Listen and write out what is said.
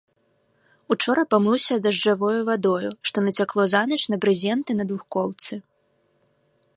Учора памыўся дажджавою вадою, што нацякло занач на брызенты на двухколцы.